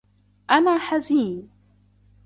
أنا حزين.